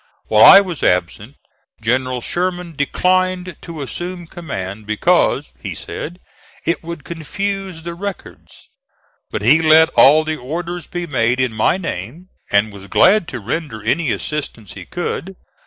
While I was absent General Sherman declined to assume command because, he said, it would confuse the records; but he let all the orders be made in my name, and was glad to render any assistance he could.